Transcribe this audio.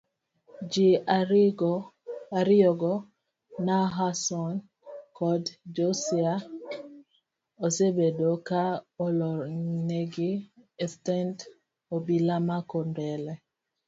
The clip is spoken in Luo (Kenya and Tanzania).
ji ariyogo nahason kod josiah osebedo ka olornegi estesend obila ma kondele